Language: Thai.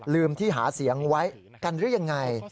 ลืมที่หาเสียงไว้กันหรือยังไง